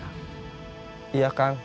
jangan menengok terus ke belakang